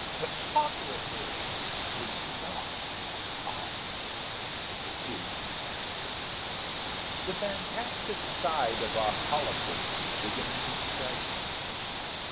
"Photography is not Art," he remarked. The fantastic side of our colloquy began to strike me.